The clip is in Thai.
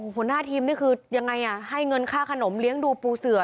หัวหน้าทีมนี่คือยังไงให้เงินค่าขนมเลี้ยงดูปูเสือ